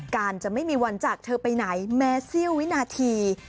การจะไม่มีวันจากเธอไปไหนแม้เสี้ยววินาที